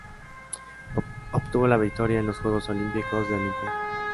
Obtuvo la victoria en los juegos olímpicos de Olimpia.